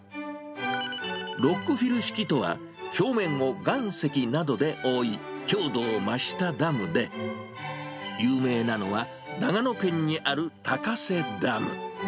ロックフィル式とは、表面を岩石などで覆い、強度を増したダムで、有名なのは、長野県にある高瀬ダム。